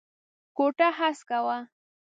کوټه هسکه وه.